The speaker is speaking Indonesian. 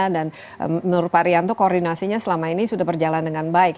dan menurut pak rianto koordinasinya selama ini sudah berjalan dengan baik